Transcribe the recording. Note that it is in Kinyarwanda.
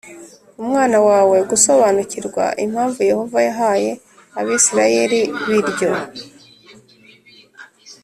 umwana wawe gusobanukirwa impamvu Yehova yahaye Abisirayeli biryo